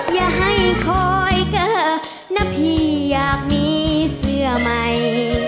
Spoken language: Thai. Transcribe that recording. อย่าให้คอยเกิดนะพี่อยากมีเสื้อใหม่